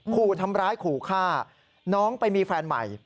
ขู่ทำร้ายขู่ฆ่าน้องไปมีแฟนใหม่